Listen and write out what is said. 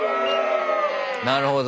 なるほど。